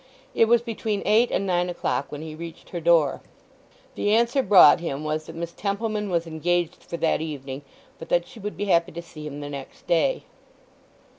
It was between eight and nine o'clock when he reached her door. The answer brought him was that Miss Templeman was engaged for that evening; but that she would be happy to see him the next day.